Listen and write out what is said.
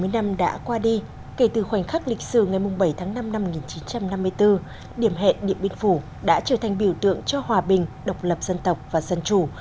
bảy mươi năm đã qua đi kể từ khoảnh khắc lịch sử ngày bảy tháng năm năm một nghìn chín trăm năm mươi bốn điểm hẹn điện biên phủ đã trở thành biểu tượng cho hòa bình độc lập dân tộc và dân chủ